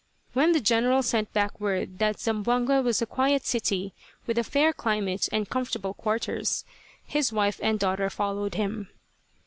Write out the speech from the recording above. When the General sent back word that Zamboanga was a quiet city, with a fair climate and comfortable quarters, his wife and daughter followed him.